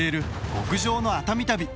極上の熱海旅。